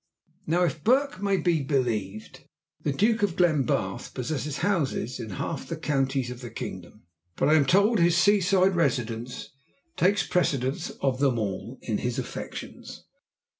Now if Burke may be believed, the Duke of Glenbarth possesses houses in half the counties of the kingdom; but I am told his seaside residence takes precedence of them all in his affections.